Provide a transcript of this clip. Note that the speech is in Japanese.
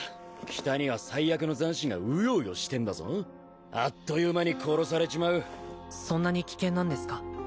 北には災厄の残滓がうようよしてんだぞあっという間に殺されちまうそんなに危険なんですか？